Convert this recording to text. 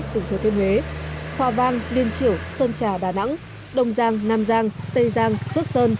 tỉnh thừa thiên huế hòa vang liên triểu sơn trà đà nẵng đồng giang nam giang tây giang phước sơn